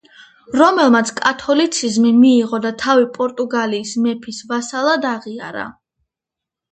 რომელმაც კათოლიციზმი მიიღო და თავი პორტუგალიის მეფის ვასალად აღიარა.